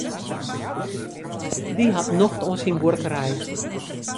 Dy hat nocht oan syn buorkerij.